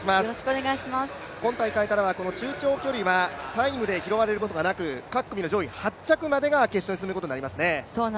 今大会からは中長距離はタイムで拾われることはなく、各組の上位８着までが決勝に進むことになりますね。